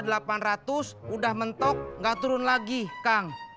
kalau mau satu delapan ratus udah mentok gak turun lagi kang